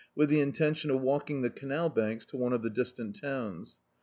with the intention of walking the canal banks to <mt of the distant towns.